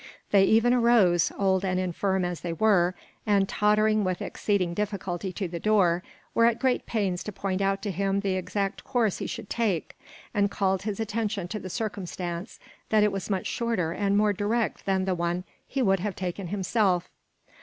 They even arose, old and infirm as they were, and tottering with exceeding difficulty to the door, were at great pains to point out to him the exact course he should take; and called his attention to the circumstance that it was much shorter and more direct than the one he would have taken himself.